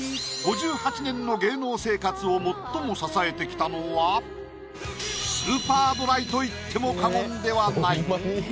５８年の芸能生活を最も支えてきたのはスーパードライと言っても過言ではない！